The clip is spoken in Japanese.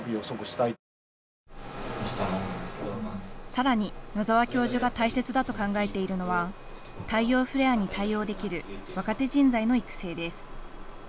さらに野澤教授が大切だと考えているのは太陽フレアに対応できる若手人材の育成です。